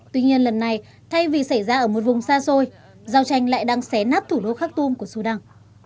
tuy nhiên lần này thay vì xảy ra ở một vùng xa xôi giao tranh lại đang xé nắp thủ đô khak tum của sudan